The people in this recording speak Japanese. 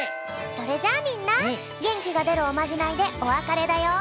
それじゃあみんなげんきがでるおまじないでおわかれだよ。